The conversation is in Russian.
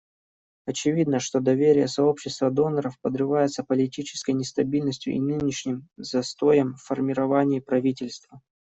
Очевидно, что доверие сообщества доноров подрывается политической нестабильностью и нынешним застоем в формировании правительства.